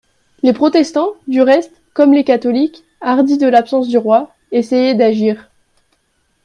Les protestants, du reste, comme les catholiques, hardis de l'absence du roi, essayaient d'agir.